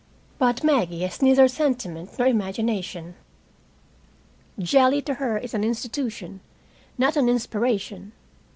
But Maggie has neither sentiment nor imagination. Jelly to her is an institution, not an inspiration.